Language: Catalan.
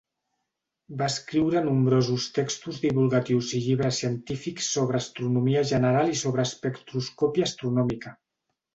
Va escriure nombrosos textos divulgatius i llibres científics sobre astronomia general i sobre espectroscòpia astronòmica.